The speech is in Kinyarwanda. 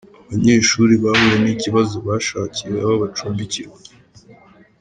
Abanyeshuri bahuye n’ikibazo bashakiwe aho bacumbikirwa.